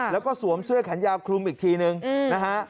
แล้วก็สวมเสื้อแขนยาวคลุมอีกทีนึงนะฮะ